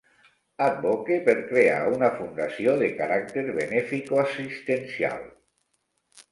Advoque per crear una fundació de caràcter beneficoassistencial.